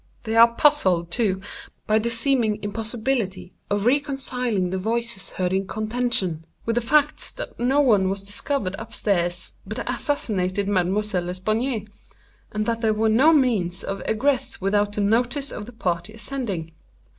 They are puzzled, too, by the seeming impossibility of reconciling the voices heard in contention, with the facts that no one was discovered up stairs but the assassinated Mademoiselle L'Espanaye, and that there were no means of egress without the notice of the party ascending.